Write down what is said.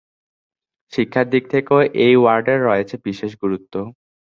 শিক্ষার দিক থেকেও এই ওয়ার্ডের রয়েছে বিশেষ গুরুত্ব।